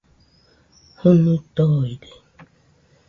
Jɨnui toide